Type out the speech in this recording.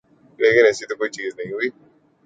لیکن ایسی تو کوئی چیز نہیں ہوئی۔